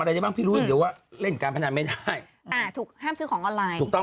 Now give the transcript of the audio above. อะไรได้บ้างพี่รู้หรือว่าเล่นการพนันไม่ได้อ่ะถูกห้ามซื้อของออนไลน์ถูกต้อง